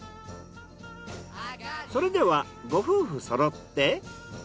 それではご夫婦そろって。